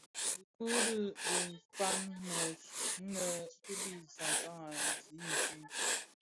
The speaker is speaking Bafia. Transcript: Dhiku u di kpaň wos, inne kibi sansan a zi infin,